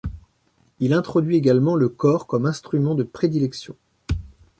Il introduit également le cor comme instrument de prédilection.